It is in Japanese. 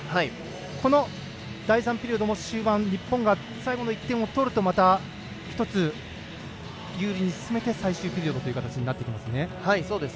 この第３ピリオドも終盤日本が最後の１点を取るとまた、１つ有利に進めて最終ピリオドという形になりますね。